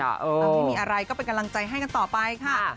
เอาที่มีอะไรก็ไปกำลังใจให้กันต่อไปค่ะ